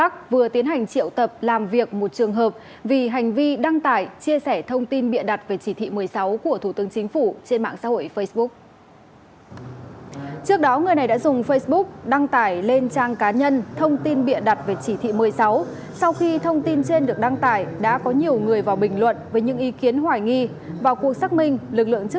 khiến hoài nghi vào cuộc xác minh lực lượng chức năng xác định